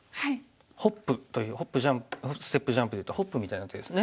ホップと「ホップステップジャンプ」で言うとホップみたいな手ですね。